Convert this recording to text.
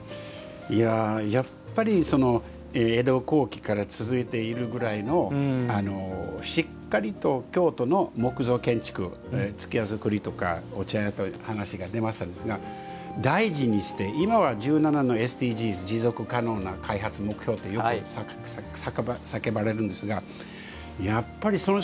いややっぱり江戸後期から続いているぐらいのしっかりと京都の木造建築数寄屋造りとかお茶屋という話が出ましたですが大事にして今は１７のＳＤＧｓ持続可能な開発目標ってよく叫ばれるんですがやっぱりその仕事なんですね。